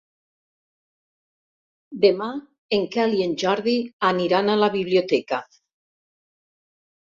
Demà en Quel i en Jordi aniran a la biblioteca.